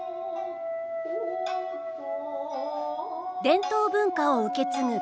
伝統文化を受け継ぐ